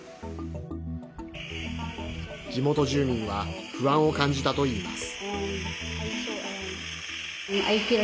地元住民は不安を感じたといいます。